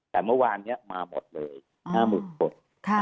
แต่เมื่อวานเนี่ยมาหมดเลย๕หมื่นคน